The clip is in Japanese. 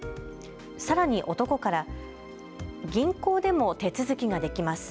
さらに男から銀行でも手続きができます。